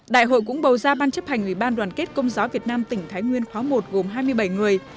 đại hội cũng bầu ra ban chấp hành ủy ban đoàn kết công giáo việt nam tỉnh thái nguyên khóa một gồm hai mươi bảy người